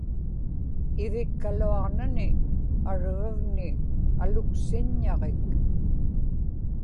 ivikkaluaġnani argagni aluksiññaġik